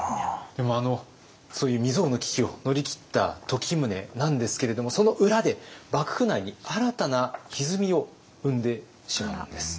でもそういう未曽有の危機を乗り切った時宗なんですけれどもその裏で幕府内に新たなひずみを生んでしまうんです。